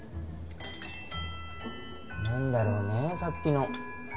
何だろうねさっきの。